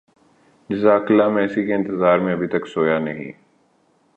جزاک اللہ میں اسی کے انتظار میں ابھی تک سویا نہیں